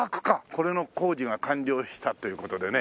これの工事が完了したという事でね